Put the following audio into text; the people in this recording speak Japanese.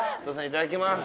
いただきます。